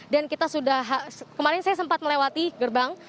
dan kita sudah kemarin saya sempat melewati gerbang